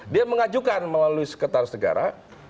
dia mengajukan melalui sekretaris negara